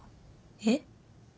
えっ？